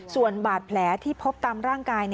ส่วนบาดแผลที่พบตามร่างกาย